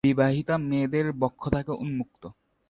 বিবাহিতা মেয়েদের বক্ষ থাকে উন্মুক্ত।